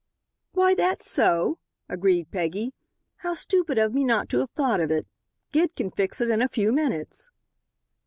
"Why, that's so," agreed Peggy, "how stupid of me not to have thought of it. Gid can fix it in a few minutes."